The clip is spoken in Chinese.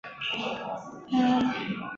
谭纶对军事甚有研究。